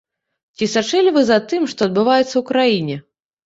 Ці сачылі вы за тым, што адбываецца ў краіне?